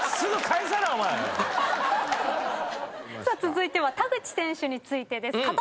さあ続いては田口選手についてです。